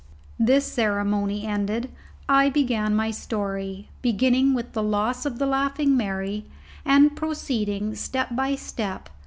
This ceremony ended, I began my story, beginning with the loss of the Laughing Mary, and proceeding step by step.